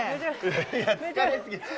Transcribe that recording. いや、疲れすぎ。